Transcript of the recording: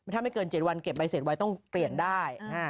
ถ้าไม่เกิน๗วันเก็บใบเสร็จไว้ต้องเปลี่ยนได้